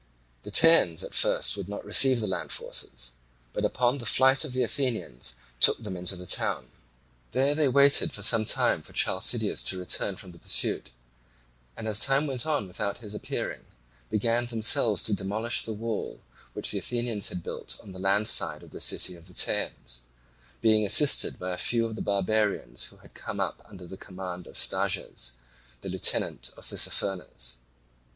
The Teians at first would not receive the land forces, but upon the flight of the Athenians took them into the town. There they waited for some time for Chalcideus to return from the pursuit, and as time went on without his appearing, began themselves to demolish the wall which the Athenians had built on the land side of the city of the Teians, being assisted by a few of the barbarians who had come up under the command of Stages, the lieutenant of Tissaphernes.